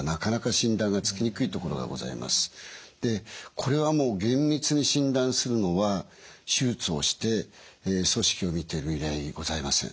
これはもう厳密に診断するのは手術をして組織を見ていく以外にございません。